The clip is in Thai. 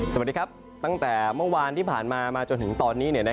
สวัสดีครับตั้งแต่เมื่อวานที่ผ่านมามาจนถึงตอนนี้